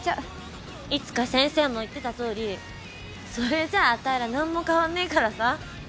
いつか先生も言ってたとおりそれじゃあたいら何も変わんねえからさ。